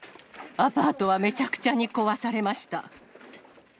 アパートはめちゃくちゃに壊されました。